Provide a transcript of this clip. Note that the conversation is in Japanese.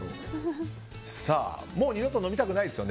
もう二度と飲みたくないですよね。